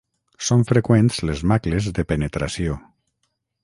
Són freqüents les macles de penetració.